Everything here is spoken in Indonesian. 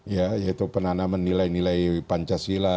ya yaitu penanaman nilai nilai pancasila